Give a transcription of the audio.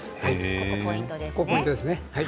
ここがポイントですね。